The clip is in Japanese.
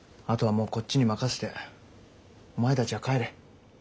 あとはもうこっちに任せてお前たちは帰れ。